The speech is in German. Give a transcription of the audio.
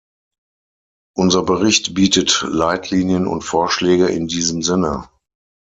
Unser Bericht bietet Leitlinien und Vorschläge in diesem Sinne.